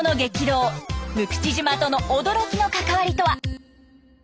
六口島との驚きの関わりとは？